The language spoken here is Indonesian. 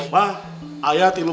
kak ayah eh